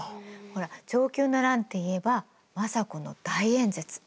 ほら承久の乱っていえば政子の大演説。